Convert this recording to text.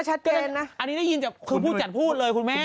อันนี้ได้ยินจากพูดจัดพูดเลยคุณแม่